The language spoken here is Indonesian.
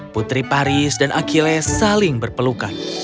putri paris dan akile saling berpelukan